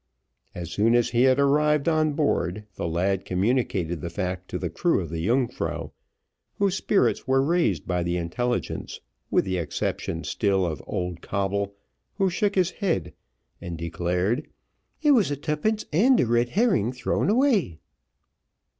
As soon as he had arrived on board, the lad communicated the fact to the crew of the Yungfrau, whose spirits were raised by the intelligence, with the exception still of old Coble, who shook his head, and declared, "It was twopence and a red herring thrown away."